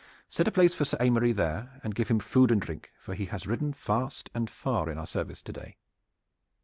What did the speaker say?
Set a place for Sir Aymery there, and give him food and drink, for he has ridden fast and far in our service to day."